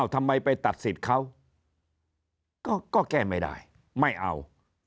ทำไมไปตัดสิทธิ์เขาก็แก้ไม่ได้ไม่เอา